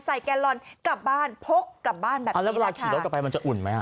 แกลลอนกลับบ้านพกกลับบ้านแบบนี้แล้วเวลาขี่รถกลับไปมันจะอุ่นไหมอ่ะ